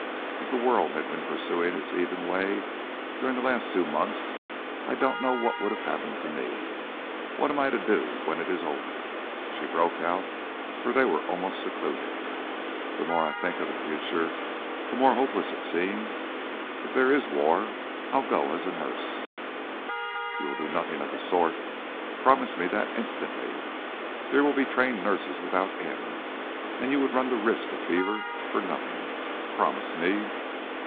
If the world had been pursuing its even way during the last two months, I don't know what would have happened to me. What am I to do when it is over?" she broke out, for they were almost secluded. "The more I think of the future the more hopeless it seems. If there is war, I'll go as a nurse " "You will do nothing of the sort. Promise me that instantly. There will be trained nurses without end, and you would run the risk of fever for nothing. Promise me."